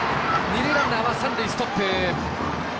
二塁ランナー三塁ストップ。